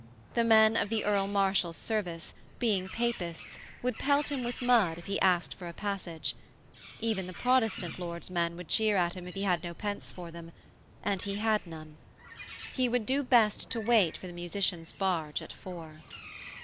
The men of the Earl Marshal's service, being Papists, would pelt him with mud if he asked for a passage; even the Protestant lords' men would jeer at him if he had no pence for them and he had none. He would do best to wait for the musicians' barge at four.